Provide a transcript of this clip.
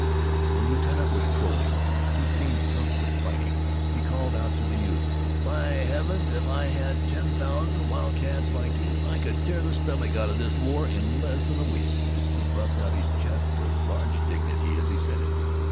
The lieutenant was crowing. He seemed drunk with fighting. He called out to the youth: "By heavens, if I had ten thousand wild cats like you I could tear th' stomach outa this war in less'n a week!" He puffed out his chest with large dignity as he said it.